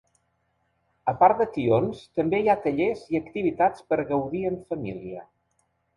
A part de tions, també hi ha tallers i activitats per gaudir en família.